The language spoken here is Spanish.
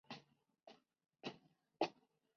Bath es titular de cuatro patentes en los Estados Unidos.